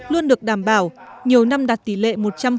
luôn được đảm bảo nhiều năm đạt tỷ lệ một trăm linh